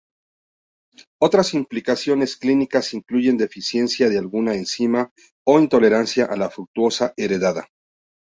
Otras implicaciones clínicas incluyen deficiencia de alguna enzima o intolerancia a la fructosa heredada.